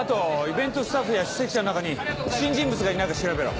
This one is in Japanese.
イベントスタッフや出席者の中に不審人物がいないか調べろ。